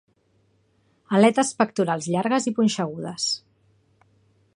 Aletes pectorals llargues i punxegudes.